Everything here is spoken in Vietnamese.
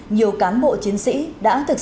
nhiều cán bộ chiến sĩ đã thực sự trở thành